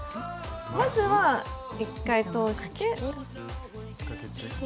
まずは１回通して。